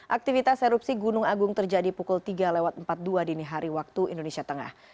aktivitas erupsi gunung agung terjadi pukul tiga lewat empat puluh dua dini hari waktu indonesia tengah